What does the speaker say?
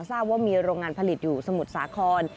ทราบว่ามีโรงงานผลิตอยู่สมุทรสาคร